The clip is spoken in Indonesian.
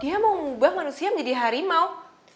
dia mau mengubah manusia menjadi harimau